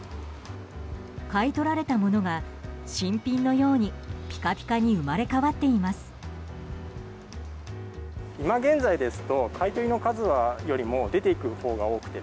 買い取られたものが新品のようにピカピカに生まれ変わっています。